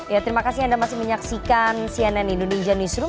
ya terima kasih anda masih menyaksikan cnn indonesia newsroom